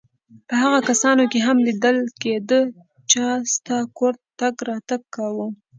په هغو کسانو کې هم لیدل کېده چا ستا کور ته تګ راتګ کاوه.